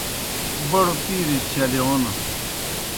بڑوْ پِیرِجیْ چلِیون